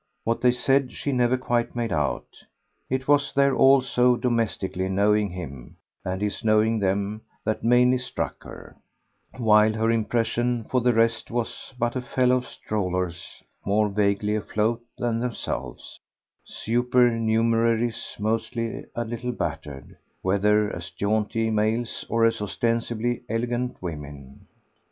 What they said she never quite made out; it was their all so domestically knowing him, and his knowing them, that mainly struck her, while her impression, for the rest, was but of fellow strollers more vaguely afloat than themselves, supernumeraries mostly a little battered, whether as jaunty males or as ostensibly elegant women.